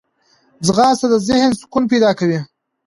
ځغاسته د ذهن سکون پیدا کوي